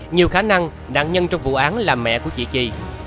nhiều khả năng nạn nhân trong vụ án là mẹ của chị chi